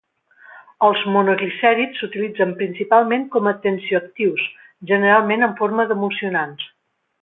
Els monoglicèrids s'utilitzen principalment com a tensioactius, generalment en forma d'emulsionants.